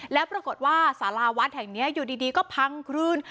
แล้วปรากฏว่าสาราวัดแห่งนี้อยู่ดีก็พังคลื่น